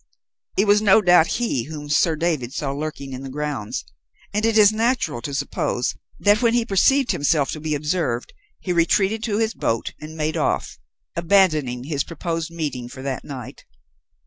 It was no doubt he whom Sir David saw lurking in the grounds, and it is natural to suppose that when he perceived himself to be observed he retreated to his boat and made off, abandoning his proposed meeting for that night.